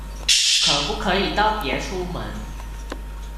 可不可以都別出門